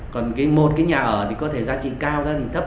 còn một cái nhà ở thì có thể giá trị cao ra thì thấp